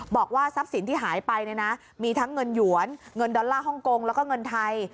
บอกว่าทรัพย์สินที่หายไปเนี่ยนะมีทั้งเงินหยวนเงินดอลลาร์ฮ่องกงแล้วก็เงินไทย